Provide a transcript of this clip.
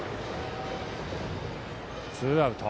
ツーアウト。